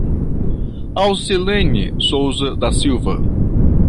Alcilene Souza da Silva